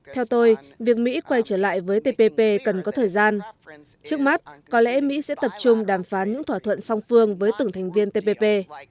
theo tôi việc mỹ quay trở lại với tpp cần có thời gian trước mắt có lẽ mỹ sẽ tập trung đàm phán những thỏa thuận song phương với từng thành viên tpp